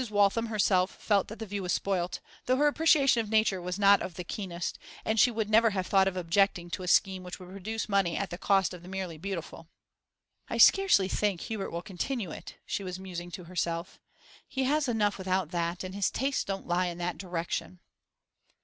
Waltham herself felt that the view was spoilt, though her appreciation of nature was not of the keenest, and she would never have thought of objecting to a scheme which would produce money at the cost of the merely beautiful. 'I scarcely think Hubert will continue it,' she was musing to herself. 'He has enough without that, and his tastes don't lie in that direction.